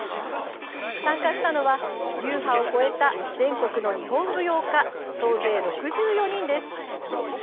参加したのは、流派を超えた全国の日本舞踊家総勢６４人です。